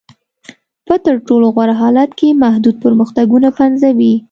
په تر ټولو غوره حالت کې محدود پرمختګونه پنځوي.